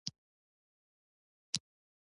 غوږونه د زړونو خبرې اخلي